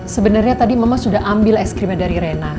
sebenarnya tadi mama sudah ambil es krimnya dari rena